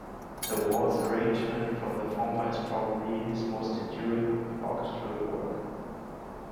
The waltz arrangement from the former is probably his most enduring orchestral work.